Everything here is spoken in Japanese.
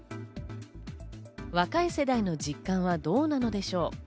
若い世代の実感はどうなのでしょう？